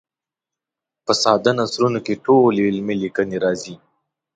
په ساده نثرونو کې ټولې علمي لیکنې راځي.